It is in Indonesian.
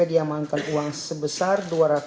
diamankan uang sebesar